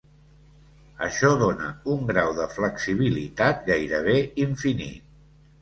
Això dóna un grau de flexibilitat gairebé infinit.